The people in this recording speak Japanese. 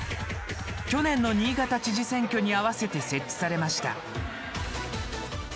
去年の新潟県知事選挙に合わせて設置されました。